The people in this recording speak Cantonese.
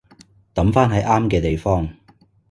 抌返喺啱嘅地方